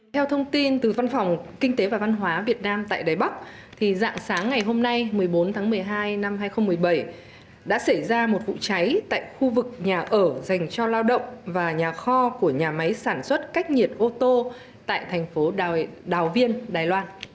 theo thông tin từ văn phòng kinh tế và văn hóa việt nam tại đài bắc dạng sáng ngày hôm nay một mươi bốn tháng một mươi hai năm hai nghìn một mươi bảy đã xảy ra một vụ cháy tại khu vực nhà ở dành cho lao động và nhà kho của nhà máy sản xuất cách nhiệt ô tô tại thành phố đào viên đài loan